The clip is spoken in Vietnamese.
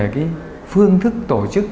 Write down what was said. chưa rõ về phương thức tổ chức